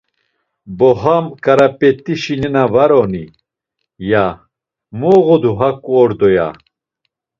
“Bo ham Ǩarap̌et̆işi nena var oni?” ya; “Mu ağodu haǩu ordo!” ya.